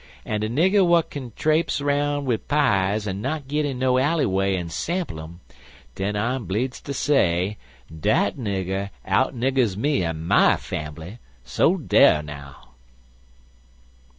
An' de nigger w'at k'n trapes 'round wid pies and not git in no alley way an' sample um, den I'm bleedzd ter say dat nigger out niggers me an' my fambly. So dar now!"